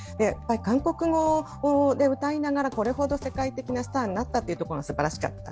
韓国語で歌いながらこれほど世界的なスターになったところがすばらしかった。